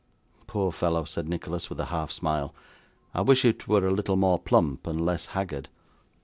'Poor fellow!' said Nicholas, with a half smile, 'I wish it were a little more plump, and less haggard.